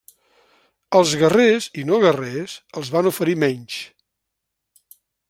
Als guerrers i no guerrers els van oferir menys.